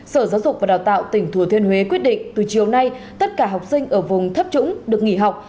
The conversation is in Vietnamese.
sở giáo dục và đào tạo tỉnh thừa thiên huế quyết định từ chiều nay tất cả học sinh ở vùng thấp trũng được nghỉ học